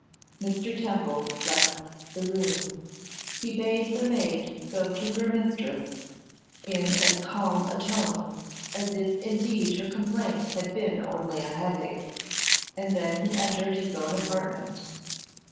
Mr. Temple left the room. He bade the maid go to her mistress, in as calm a tone as if indeed her complaint had been only a headache; and then he entered his own apartment.